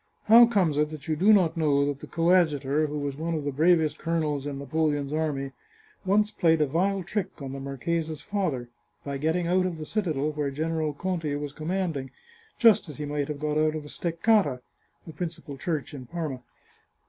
How comes it that you do not know that the coadjutor, who was one of the bravest colonels in Napoleon's army, once played a vile trick on the marchesa's father, by getting out of the citadel where General Conti was commanding, just as he might have got out of the Steccata (the principal church in Parma)."